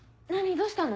どうしたの？